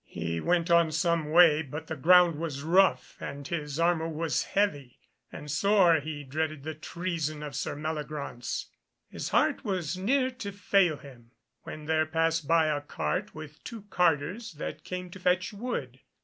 He went on some way, but the ground was rough, and his armour was heavy, and sore he dreaded the treason of Sir Meliagraunce. His heart was near to fail him, when there passed by a cart with two carters that came to fetch wood.